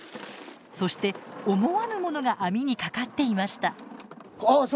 そして思わぬものが網にかかっていました。